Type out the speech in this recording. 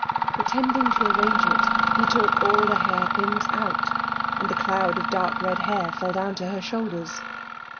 Pretending to arrange it, he took all the hairpins out, and the cloud of dark red hair fell down on her shoulders.